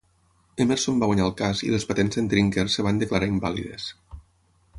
Emerson va guanyar el cas i les patents de"n Drinker es van declarar invàlides.